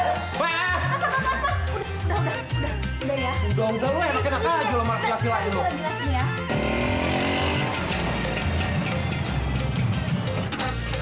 lu yang akan kena kalah jelom laki laki lain lho